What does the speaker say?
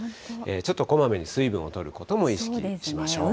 ちょっとこまめに水分をとることも意識しましょう。